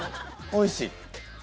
おいしい？